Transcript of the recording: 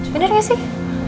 bener gak sih